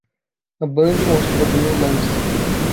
A Band mostrou bem o lance.